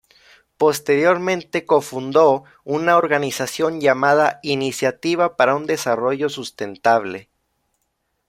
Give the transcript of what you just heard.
Posteriormente, cofundó una organización llamada Iniciativa para un Desarrollo Sustentable.